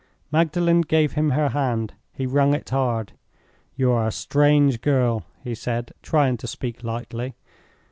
Magdalen gave him her hand. He wrung it hard. "You are a strange girl," he said, trying to speak lightly.